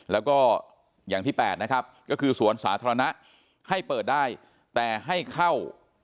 แล้วก็อย่างที่๘นะครับก็คือสวนสาธารณะให้เปิดได้แต่ให้เข้า